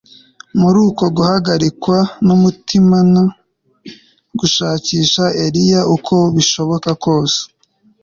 Muri uko guhagarikwa umutimano gushakisha Eliya uko bishoboka kose